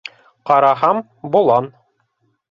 Ҡараһам, болан.